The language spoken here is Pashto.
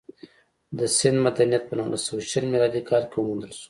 د سند مدنیت په نولس سوه شل میلادي کال کې وموندل شو